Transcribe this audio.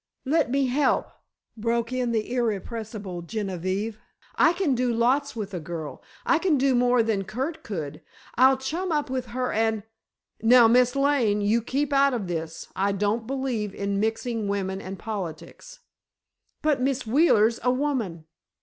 "Let me help," broke in the irrepressible Genevieve. "I can do lots with a girl. I can do more than Curt could. I'll chum up with her and——" "Now, Miss Lane, you keep out of this. I don't believe in mixing women and politics." "But Miss Wheeler's a woman."